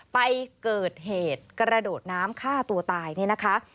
ไปเกิดเหตุกระโดดน้ำฆ่าตัวตายเนี่ยนะคะ